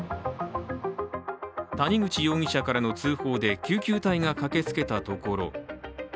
谷口容疑者からの通報で救急隊が駆けつけたところ